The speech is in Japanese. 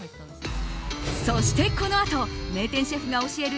そして、このあと名店シェフが教える